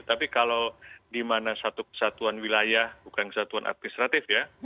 tapi kalau di mana satu kesatuan wilayah bukan kesatuan administratif ya